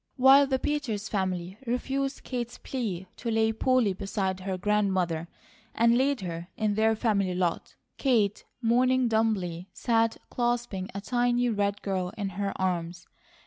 While the Peters family refused Kate's plea to lay Polly beside her grandmother, and laid her in their family lot, Kate, moaning dumbly, sat clasping a tiny red girl in her arms.